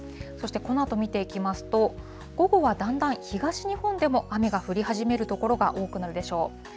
そしてこのあと見ていきますと、午後はだんだん東日本でも雨が降り始める所が多くなるでしょう。